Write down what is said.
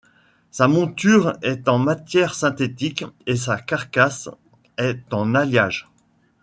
Sa monture est en matière synthétique et sa carcasse est en alliage.